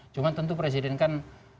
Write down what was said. cuma tentu presiden kan